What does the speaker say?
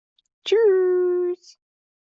Tschüss!